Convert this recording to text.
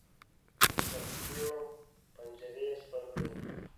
د پښتیو پنجرې سپر کړې.